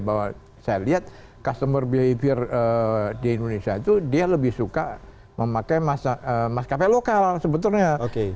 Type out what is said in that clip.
bahwa saya lihat customer behavior di indonesia itu dia lebih suka memakai maskapai lokal sebetulnya